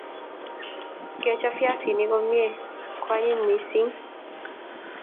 Ngechob viasik komie ko anyiny missing